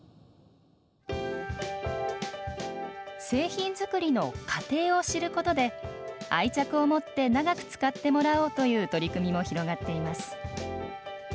製品作りの過程を知ることで愛着を持って長く使ってもらおうという取り組みも広がっています